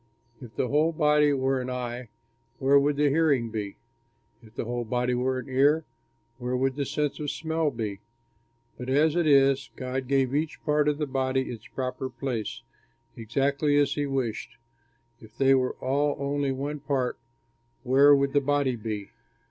If the whole body were an eye, where would the hearing be? If the whole body were an ear, where would the sense of smell be? But as it is, God gave each part of the body its proper place, exactly as he wished. If they were all only one part, where would the body be?